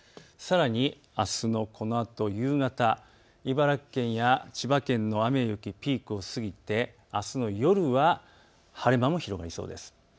さらにあすのこのあと夕方、茨城県や千葉県の雨や雪、ピークを過ぎてあすの夜は晴れ間も広がりそうです。